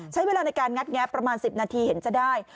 ใช้เวลาในการงัดแงะประมาณ๑๐นาทีเห็นจะได้